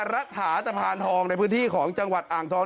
รัฐาตะพานทองในพื้นที่ของจังหวัดอ่างทอง